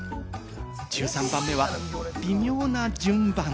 １３番目は微妙な順番。